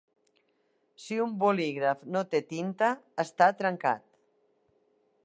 Si un bolígraf no té tinta, està trencat.